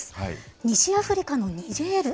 西アフリカのニジェール。